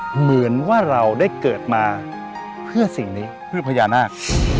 เหมือนว่าเราได้เกิดมาเพื่อสิ่งนี้เพื่อพญานาค